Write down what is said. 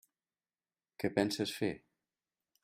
Què penses fer?